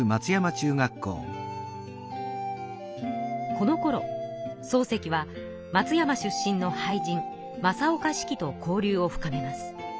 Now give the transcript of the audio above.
このころ漱石は松山出身の俳人正岡子規と交流を深めます。